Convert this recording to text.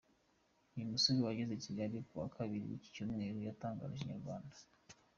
Uyu musore wageze i Kigali kuwa Kabiri w’iki Cyumweru, yatangarije inyarwanda.